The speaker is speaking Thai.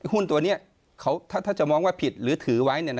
หุ้นตัวนี้ถ้าจะมองว่าผิดหรือถือไว้